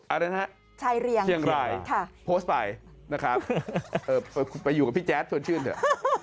อะไรนะฮะชายเรียงเชียงรายโพสต์ไปนะครับไปอยู่กับพี่แจ๊ดชวนชื่นเถอะ